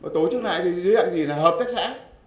mà tổ chức lại thì dự dạng gì là hợp tác xã